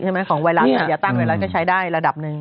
ละไม่จะตั้งอีกแล้วจะใช้ได้ระดับหนึ่ง